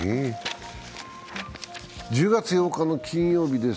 １０月８日金曜日です。